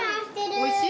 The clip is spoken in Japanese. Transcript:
おいしい？